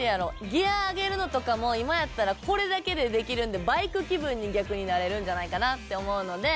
ギア上げるのとかも今やったらこれだけでできるのでバイク気分に逆になれるんじゃないかなって思うので。